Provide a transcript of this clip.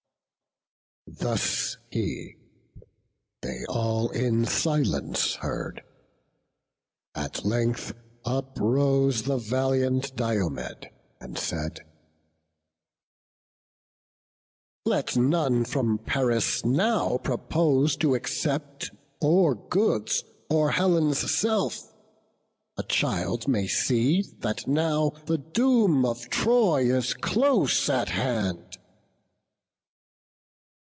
Thus he: they all in silence heard; at length Uprose the valiant Diomed, and said; "Let none from Paris now propose to accept Or goods, or Helen's self; a child may see That now the doom of Troy is close at hand."